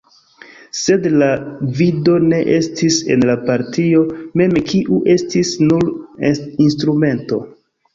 Sed la gvido ne estis en la partio mem, kiu estis nur instrumento.